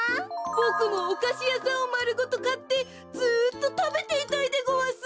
ボクもおかしやさんをまるごとかってずっとたべていたいでごわす！